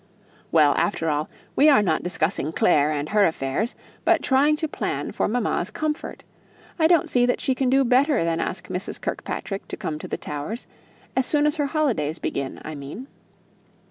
"Well, after all, we are not discussing Clare and her affairs, but trying to plan for mamma's comfort. I don't see that she can do better than ask Mrs. Kirkpatrick to come to the Towers as soon as her holidays begin, I mean."